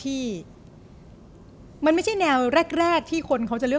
พี่เริ่มมาเป็นอย่างงี้พ่อเป็นอย่างงี้พ่อเป็นอย่างงี้